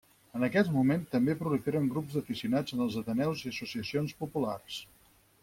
En aquest moment, també proliferen grups d'aficionats en els ateneus i associacions populars.